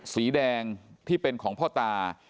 สีแดงที่เป็นของพ่อตา